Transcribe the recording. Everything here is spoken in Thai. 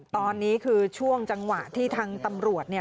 ตอนนี้คือช่วงจังหวะที่ทางตำรวจเนี่ย